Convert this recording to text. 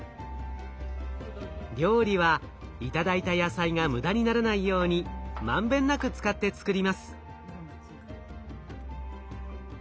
料理は頂いた野菜が無駄にならないように満遍なく使って作ります。